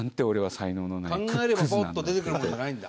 考えればポッと出てくるものじゃないんだ。